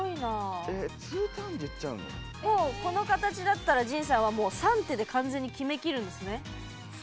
この形だったらＪＩＮさんは３手で完全に決めきるんですね。